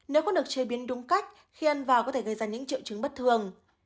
nếu không được chế biến đúng cách khi ăn vào có thể gây ra những triệu chứng bất thường